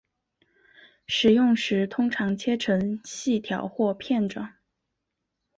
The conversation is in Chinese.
食用时通常切成细条或片状。